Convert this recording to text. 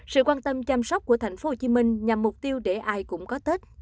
sự quan tâm chăm sóc của thành phố hồ chí minh nhằm mục tiêu để ai cũng có tết